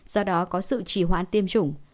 do đó có sự chỉ hoãn tiêm chủng